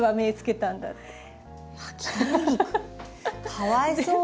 かわいそう。